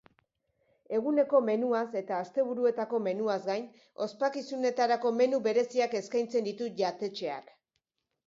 Eguneko menuaz eta asteburuetako menuaz gain, ospakizunetarako menu bereziak eskaintzen ditu jatetxeak.